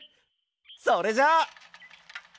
それじゃ！